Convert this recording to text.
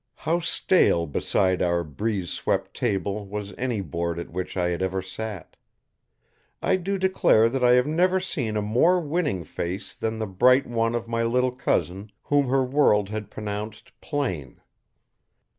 How stale beside our breeze swept table was any board at which I had ever sat! I do declare that I have never seen a more winning face than the bright one of my little cousin whom her world had pronounced "plain."